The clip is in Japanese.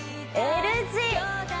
Ｌ字